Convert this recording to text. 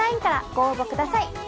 ＬＩＮＥからご応募ください。